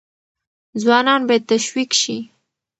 ځوانان باید تشویق شي.